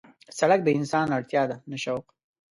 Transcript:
سړک د انسان اړتیا ده نه شوق.